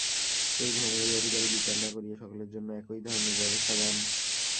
সেই ভ্রম এই অধিকারী বিচার না করিয়া সকলের জন্য একই ধরনের ব্যবস্থা-দান।